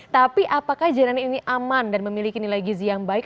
tapi apakah jajanan ini aman dan memiliki nilai gizi yang baik